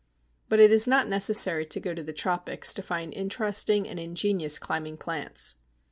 But it is not necessary to go to the tropics to find interesting and ingenious climbing plants.